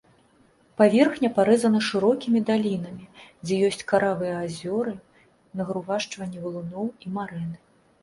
Паверхня парэзана шырокімі далінамі, дзе ёсць каравыя азёры, нагрувашчванні валуноў і марэны.